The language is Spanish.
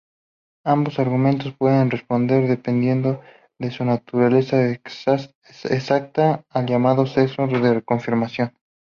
Ambos argumentos pueden responder, dependiendo de su naturaleza exacta, al llamado sesgo de confirmación.